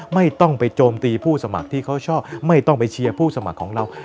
ไม่ต้องไปโจมตีผู้สมัครที่เขาชอบไม่ต้องไปเชียร์ผู้สมัครของเรา